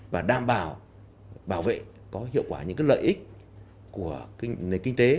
và đảm bảo bảo vệ có hiệu quả những lợi ích của nền kinh tế